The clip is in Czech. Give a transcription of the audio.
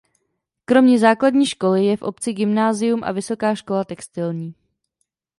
Kromě základní školy je v obci gymnázium a vysoká škola textilní.